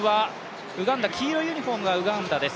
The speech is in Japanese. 黄色いユニフォームがウガンダです。